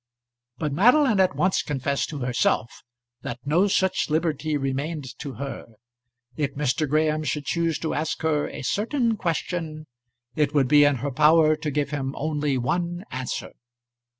But Madeline at once confessed to herself that no such liberty remained to her. If Mr. Graham should choose to ask her a certain question, it would be in her power to give him only one answer.